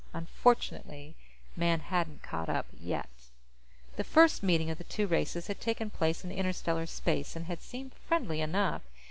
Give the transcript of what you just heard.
Unfortunately, Man hadn't caught up yet. The first meeting of the two races had taken place in interstellar space, and had seemed friendly enough.